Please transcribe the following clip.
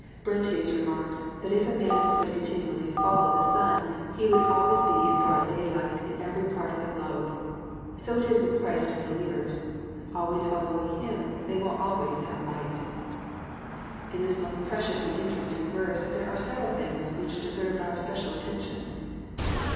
» Brentlus remarks, that if a man could continually << follow'* the sun, he would always be in broad daylight in every part of the globe. So it is with Christ and believers. Always follow ing Him, they will always have light. In this most precious and interesting verse there are several things which deserve our special attention.